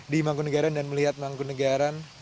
di mangkunegara dan melihat mangkunagaran